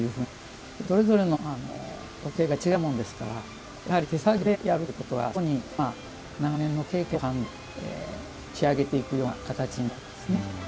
それぞれの特性が違うものですからやはり手作業でやるということはそこに、長年の経験と間で仕上げていくような形になりますね。